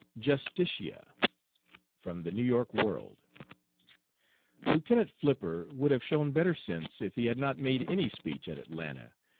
"JUSTITIA." (From the New York World.) Lieutenant Flipper would have shown better sense if he had not made any speech at Atlanta.